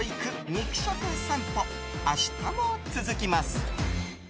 肉食さんぽ、明日も続きます。